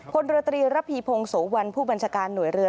พลเรือตรีระพีพงศวรรณผู้บัญชาการหน่วยเรือ